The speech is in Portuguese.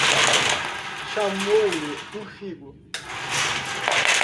Chamou-lhe um figo.